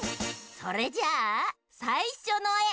それじゃあさいしょのえ！